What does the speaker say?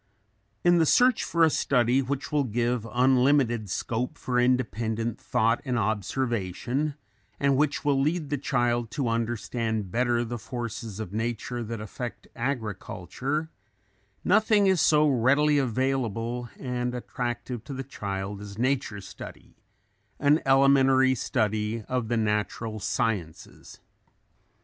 In the search for a study which will give unlimited scope for independent thought and observation and which will lead the child to understand better the forces of nature that affect agriculture, nothing is so readily available and attractive to the child as nature study, an elementary study of the natural sciences.